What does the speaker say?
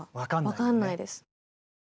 分かんないです。